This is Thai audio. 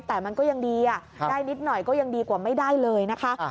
แต่มันก็ยังดีได้นิดหน่อยก็ยังดีกว่าไม่ได้เลยนะคะ